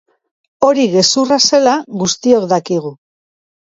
Hori gezurra zela guztiok dakigu.